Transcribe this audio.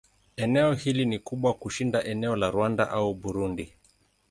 Eneo hili ni kubwa kushinda eneo la Rwanda au Burundi.